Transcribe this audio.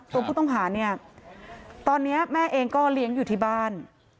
ตัวผู้ต้องหาเนี่ยตอนนี้แม่เองก็เลี้ยงอยู่ที่บ้าน